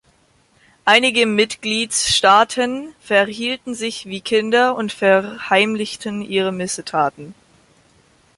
Einige Mitgliedstaaten verhielten sich wie Kinder und verheimlichten ihre Missetaten.